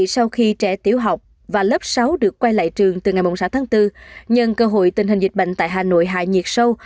sau khi trẻ tiểu học và lớp sáu được quay lại trường từ ngày sáu tháng bốn nhân cơ hội tình hình dịch bệnh tại hà nội hạ nhiệt sâu